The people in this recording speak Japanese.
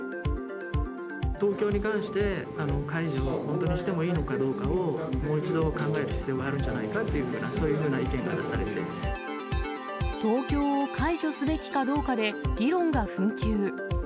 東京に関して、解除、本当にしてもいいのかどうかを、もう一度考える必要があるんじゃないかというような、そういうふ東京を解除すべきかどうかで議論が紛糾。